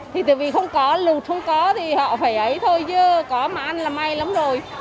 thì tại vì không có lụt không có thì họ phải ấy thôi chứ có mà ăn là may lắm rồi